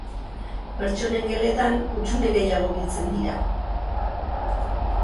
Pertsonen geletan hutsune gehiago biltzen dira.